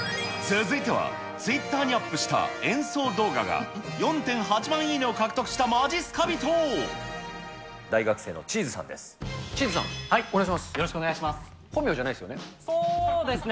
続いてはツイッターにアップした演奏動画が４．８万いいねを大学生のチーズさんです。